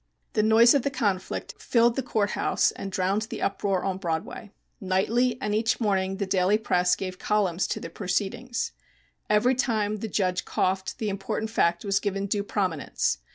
The noise of the conflict filled the court house and drowned the uproar on Broadway. Nightly and each morning the daily press gave columns to the proceedings. Every time the judge coughed the important fact was given due prominence.